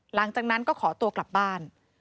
หลังจากนั้นก็ขอตัวกลับบ้าน